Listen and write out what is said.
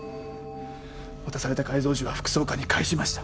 渡された改造銃は副総監に返しました。